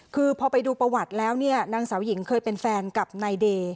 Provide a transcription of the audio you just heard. คือพอไปดูประวัติแล้วเนี่ยนางสาวหญิงเคยเป็นแฟนกับนายเดย์